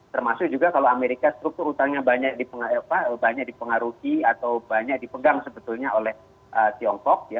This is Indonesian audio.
termasuk juga kalau amerika struktur utangnya banyak dipengaruhi atau banyak dipegang sebetulnya oleh tiongkok